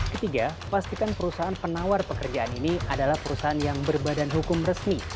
ketiga pastikan perusahaan penawar pekerjaan ini adalah perusahaan yang berbadan hukum resmi